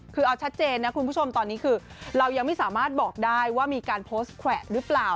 คือเอาชัดเจนนะคุณผู้ชมตอนนี้คือเรายังไม่สามารถบอกได้ว่ามีการโพสต์แขวะหรือเปล่า